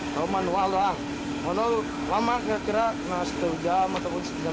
kalau manual lama sekitar setengah jam